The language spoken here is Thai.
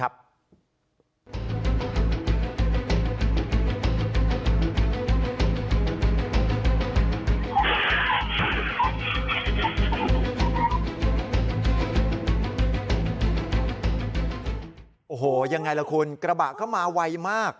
โอ้โหยังไงล่ะคุณกระบะเข้ามาไวมาก